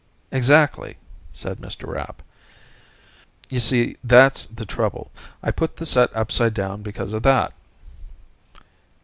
"Exactly," said Mr. Rapp. "You see, that's the trouble. I put the set upside down because of that."